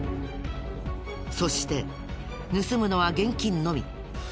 そして盗むのは現金のみ。